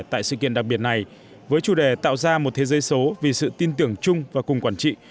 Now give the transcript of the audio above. tại sự kiện đặc biệt này với chủ đề tạo ra một thế giới số vì sự tin tưởng chung và cùng quản trị